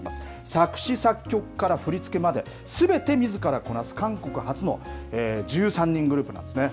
作詞作曲から振り付けまですべて、みずからこなす韓国発の１３人グループなんですね。